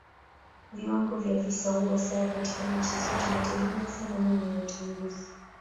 Viwango vya visa huwa sawa katika nchi zote na hutegemea sana namna ya utambuzi.